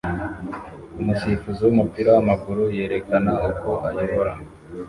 Umusifuzi wumupira wamaguru yerekana uko ayobora